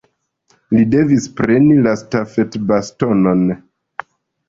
Li devis preni la stafetbastonon.